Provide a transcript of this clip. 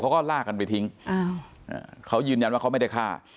เขาก็ลากกันไปทิ้งเขายืนยันว่าเขาไม่ได้ฆ่า